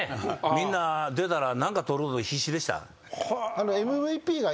みんな出たら何か取ろうと必死でした。